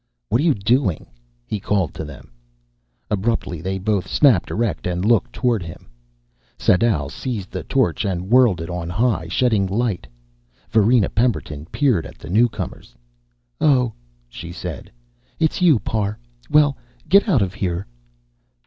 "What are you doing?" he called to them. Abruptly they both snapped erect and looked toward him. Sadau seized the torch and whirled it on high, shedding light. Varina Pemberton peered at the newcomers. "Oh," she said, "it's you. Parr. Well, get out of here."